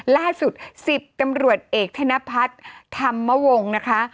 ล่าสุด๑๐ตำรวจเอกธนพัฒน์ธรรมวงศ์นะคะ